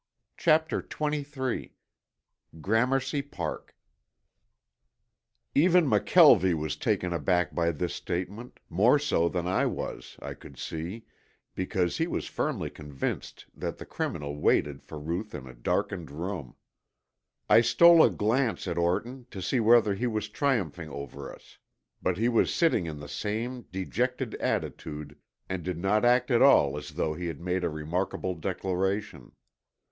CHAPTER XXIII GRAMERCY PARK Even McKelvie was taken aback by this statement, more so than I was, I could see, because he was firmly convinced that the criminal waited for Ruth in a darkened room. I stole a glance at Orton to see whether he was triumphing over us, but he was sitting in the same dejected attitude and did not act at all as though he had made a remarkable declaration.